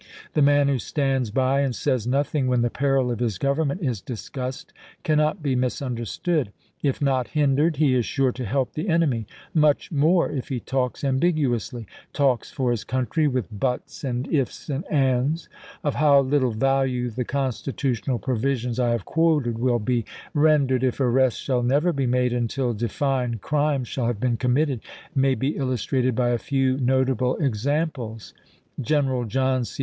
The man who stands by and says nothing when the peril of his Government is discussed cannot be misunderstood. If not hindered, he is sure to help the enemy ; much more if he talks ambiguously — talks for his country with " buts » and " if s » and " ands." Of how little value the constitutional provisions I have quoted will be ren dered, if arrests shall never be made until denned crimes ehall have been committed, may be illustrated by a few notable examples. General John C.